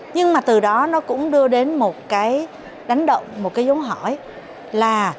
nhưng mà từ đó nó cũng đưa đến một cái đánh động một cái giống hỏi là